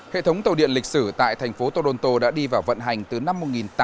hệ thống tàu điện lịch sử tại thành phố toronto đã đi vào vận hành từ năm một nghìn tám trăm sáu mươi một